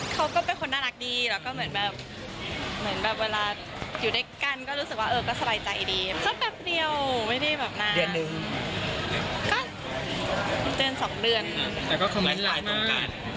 เขาก็เป็นคนน่ารักดีแล้วก็เหมือนแบบ